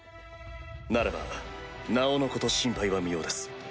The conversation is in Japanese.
ならばなおのこと心配は無用です。